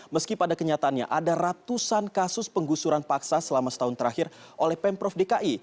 meski pada kenyataannya ada ratusan kasus penggusuran paksa selama setahun terakhir oleh pemprov dki